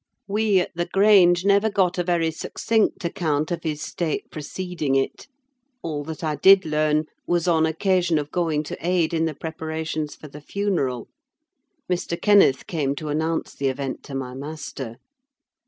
We, at the Grange, never got a very succinct account of his state preceding it; all that I did learn was on occasion of going to aid in the preparations for the funeral. Mr. Kenneth came to announce the event to my master.